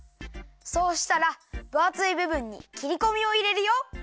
そうしたらぶあついぶぶんにきりこみをいれるよ。